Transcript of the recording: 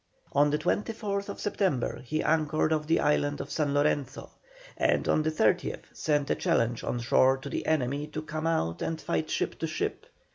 On the 28th September he anchored off the island of San Lorenzo, and on the 30th sent a challenge on shore to the enemy to come out and fight ship to ship.